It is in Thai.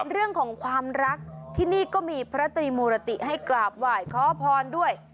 เรื่องของความรักที่นี่ก็มีพระตรีมูรติให้กราบไหว้ขอพรด้วย